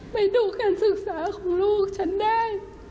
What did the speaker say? ไปดูการศึกษาของลูกฉันได้